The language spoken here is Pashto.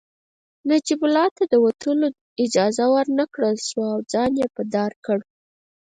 نجیب الله ته د وتلو اجازه ورنکړل شوه او ځان يې په دار کړ